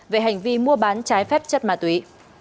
về hành vi mua bán trái phép chất ma túy